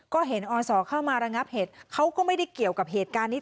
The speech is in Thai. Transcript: ก็เห็นอศเข้ามาระงับเหตุเขาก็ไม่ได้เกี่ยวกับเหตุการณ์นี้